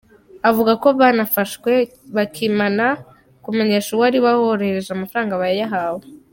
Avuga ko bafashwe bakimara kumenyesha uwari wabohereje ko amafaranga bayahawe.